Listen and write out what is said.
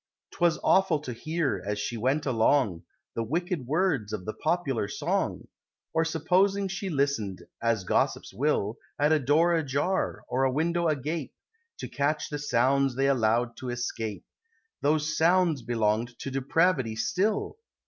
'Twas awful to hear, as she went along, The wicked words of the popular song; Or supposing she listen'd as gossips will At a door ajar, or a window agape, To catch the sounds they allow'd to escape, Those sounds belonged to Depravity still!